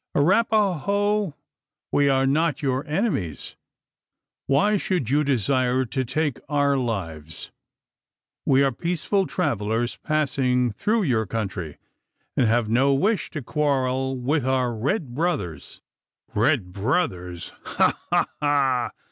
"Arapaho! We are not your enemies! Why should you desire to take our lives? We are peaceful travellers passing through your country; and have no wish to quarrel with our red brothers." "Red brothers! ha, ha, ha!